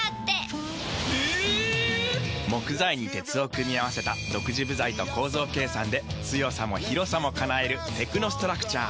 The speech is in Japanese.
木材に鉄を組み合わせた独自部材と構造計算で強さも広さも叶えるテクノストラクチャー。